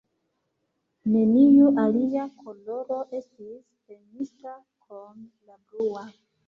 Neniu alia koloro estis permesita, krom la blua.